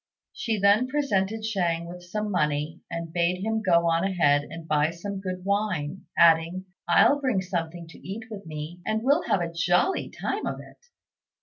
She then presented Shang with some money, and bade him go on ahead and buy some good wine, adding, "I'll bring something to eat with me, and we'll have a jolly time of it."